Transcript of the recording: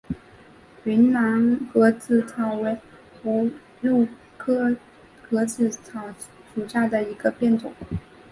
云南盒子草为葫芦科盒子草属下的一个变种。